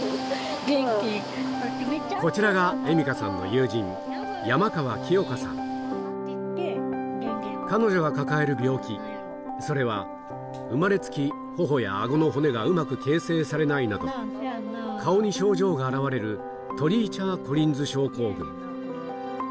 こちらが栄美香さんの友人彼女が抱える病気それは生まれつき頬やあごの骨がうまく形成されないなど顔に症状が表れるうわい！